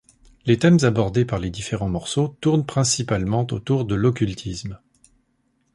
Les thèmes abordés par les différents morceaux tournent principalement autour de l'occultisme.